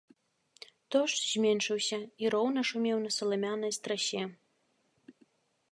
Дождж зменшыўся і роўна шумеў на саламянай страсе.